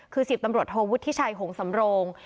คือ๑๐ตำรวจโทวุฒิชัยหงสำโรง